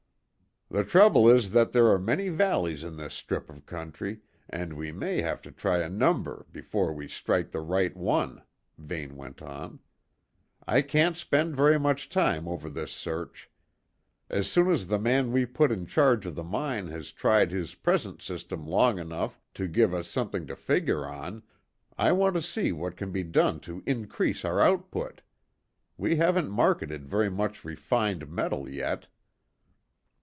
"The trouble is that there are many valleys in this strip of country, and we may have to try a number before we strike the right one," Vane went on. "I can't spend very much time over this search. As soon as the man we put in charge of the mine has tried his present system long enough to give us something to figure on, I want to see what can be done to increase our output. We haven't marketed very much refined metal yet."